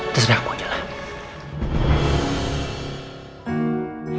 mas tega aku mau jalan